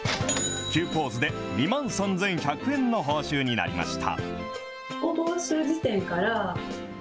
９ポーズで２万３１００円の報酬になりました。